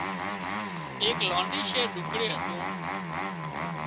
ايڪ لانڍي شهر ڍوڪڙي هتون